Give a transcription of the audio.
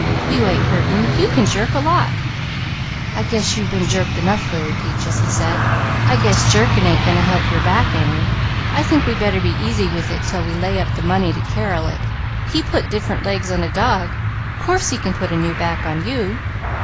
You ain't hurting me. You can jerk me a lot." "I guess you've been jerked enough, Lily Peaches," he said. "I guess jerkin' ain't going to help your back any. I think we better be easy with it 'til we lay up the money to Carrel it. He put different legs on a dog, course he can put a new back on you."